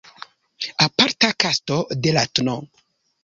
Aparta kasto de la tn.